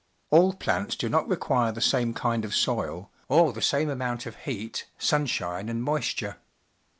All plants do not require the same kind of soil, or the same amount of heat, sun shine, and moisture.